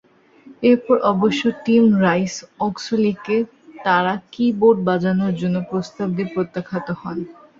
এরপর অবশ্য Tim Rice অক্সলিকে তাঁরা কি-বোর্ড বাজানোর জন্য প্রস্তাব দিয়ে প্রত্যাখ্যাত হন।